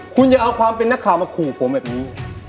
คุณอย่าเอาความเป็นนักข่าวมาขู่ผมแบบนี้